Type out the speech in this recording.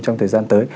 trong thời gian tới